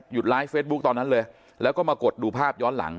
ไลฟ์เฟซบุ๊คตอนนั้นเลยแล้วก็มากดดูภาพย้อนหลัง